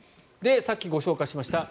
さっきご紹介しました